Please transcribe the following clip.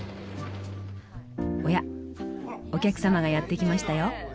おやお客様がやって来ましたよ。